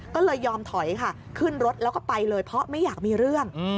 ก็เลยยอมถอยค่ะขึ้นรถแล้วก็ไปเลยเพราะไม่อยากมีเรื่อง